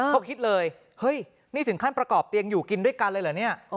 เขาคิดเลยเฮ้ยนี่ถึงขั้นประกอบเตียงอยู่กินด้วยกันเลยเหรอเนี่ย